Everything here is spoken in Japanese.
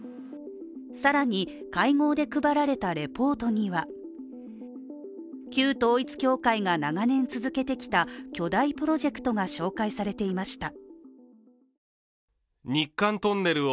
更に会合で配られたリポートには旧統一教会が長年続けてきた巨大プロジェクトが紹介されていました。